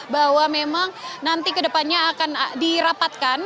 bahwa memang nanti kedepannya akan dirapatkan